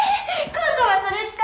今度はそれ使うのォ？